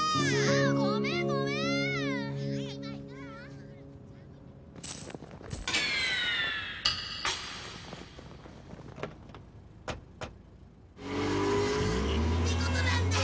ごめんごめん！ってことなんだよ。